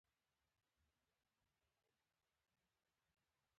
ټپي د مرستې هیله لري.